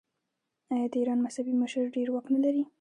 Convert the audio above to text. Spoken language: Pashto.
آیا د ایران مذهبي مشر ډیر واک نلري؟